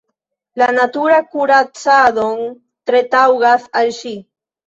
La natura kuracadon tre taŭgas al ŝi.